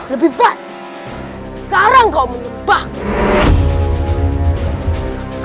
lebih baik sekarang kau menebang